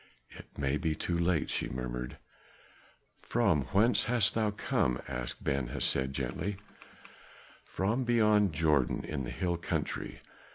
"It may be too late," she murmured. "From whence hast thou come?" asked Ben Hesed gently. "From beyond Jordan, in the hill country.